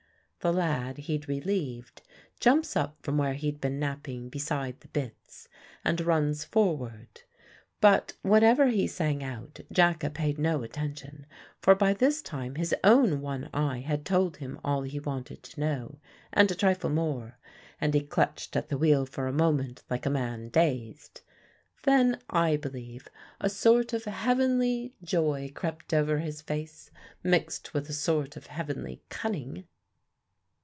The lad he'd relieved jumps up from where he'd been napping beside the bitts, and runs forward. But, whatever he sang out, Jacka paid no attention; for by this time his own one eye had told him all he wanted to know, and a trifle more; and he clutched at the wheel for a moment like a man dazed. Then, I believe, a sort of heavenly joy crept over his face, mixed with a sort of heavenly cunning.